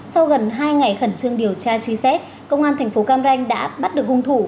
sau gần hai ngày khẩn trương điều tra truy xét công an thành phố cam ranh đã bắt được hung thủ